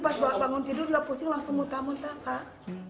pas bawa bangun tidur udah pusing langsung muntah muntah pak